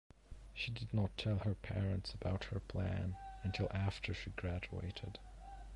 She did not tell her parents about her plan until after she graduated.